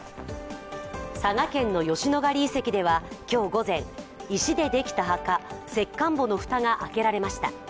佐賀県の吉野ヶ里遺跡では今日午前、石でできた墓石棺墓の蓋が開けられました。